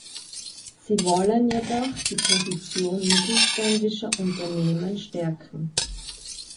Sie wollen jedoch die Position mittelständischer Unternehmen stärken.